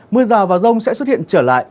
mưa rào và rông sẽ xuất hiện trở lại